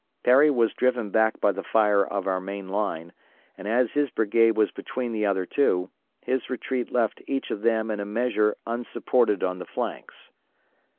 Perry was driven back by the fire of our main line, and as his brigade was between the other two, his retreat left each of them in a measure unsupported on the flanks.